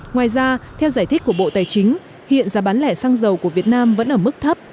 ngoài ra theo giải thích của bộ tài chính hiện giá bán lẻ xăng dầu của việt nam vẫn ở mức thấp